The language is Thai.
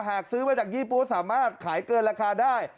ซื้อมาจากยี่ปั๊วสามารถขายเกินราคาได้